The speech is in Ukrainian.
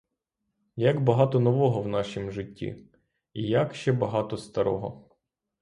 Як багато нового в нашім житті, і як ще багато старого.